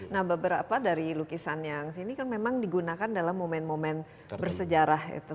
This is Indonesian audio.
nah beberapa dari lukisan yang sini kan memang digunakan dalam momen momen bersejarah itu